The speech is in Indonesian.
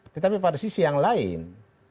tetapi pada sisi yang lain